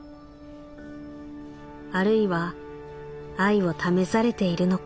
「あるいは愛を試されているのか」。